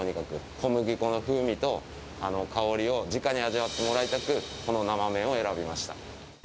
小麦粉の風味と香りをじかに味わってもらいたく、この生麺を選びました。